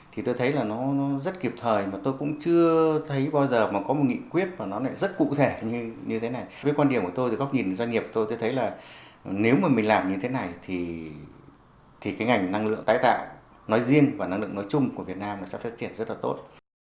thì tôi thấy là nó rất kịp thời mà tôi cũng chưa thấy bao giờ mà có một nghị quyết và nó lại rất cụ thể như thế này với quan điểm của tôi từ góc nhìn doanh nghiệp tôi tôi thấy là nếu mà mình làm như thế này thì cái ngành năng lượng tái tạo nói riêng và năng lượng nói chung của việt nam nó sẽ phát triển rất là tốt